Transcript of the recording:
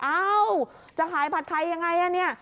อ้าวจะขายผัดไทยอย่างไร